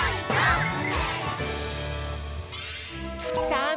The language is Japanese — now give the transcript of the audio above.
さあ